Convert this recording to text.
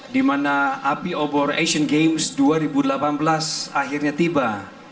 di mana api obor asian games dua ribu delapan belas akhirnya tiba